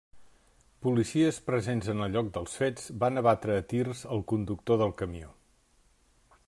Policies presents en el lloc dels fets, van abatre a tirs al conductor del camió.